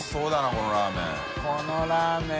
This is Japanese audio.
このラーメン。